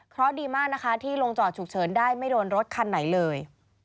เพราะดีมากนะคะที่ลงจอดฉุกเฉินได้ไม่โดนรถคันไหนเลย